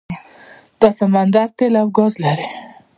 دا سمندر تیل او ګاز لري.